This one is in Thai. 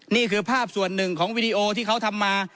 นี่คือภาพส่วนหนึ่งของวิดีโอที่เขาทำมา